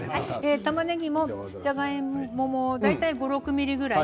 たまねぎも、じゃがいもも大体５、６ｍｍぐらい。